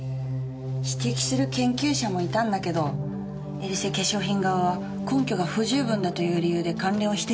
指摘する研究者もいたんだけどエリセ化粧品側は根拠が不十分だという理由で関連を否定したの。